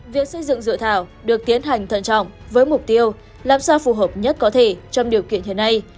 việc xây dựng dựa thảo được tiến hành thận trọng với mục tiêu làm sao phù hợp nhất có thể trong điều kiện thế này